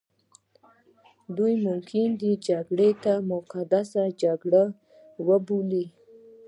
دوی ممکن جګړه مقدسه جګړه وبولي.